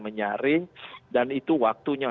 menyaring dan itu waktunya